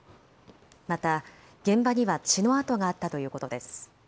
また、現場には血の痕があったということです。